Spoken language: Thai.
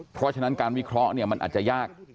เพราะฉะนั้นการวิเคราะห์มันอาจจะยาก